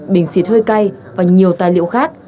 bình xịt hơi cay và nhiều tài liệu khác